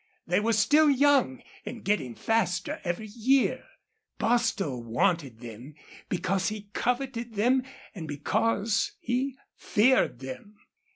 They were still young and getting faster every year. Bostil wanted them because he coveted them and because he feared them.